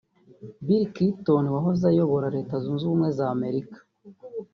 Bill Clinton wahoze ayobora Leta Zunze Ubumwe z’ Amerika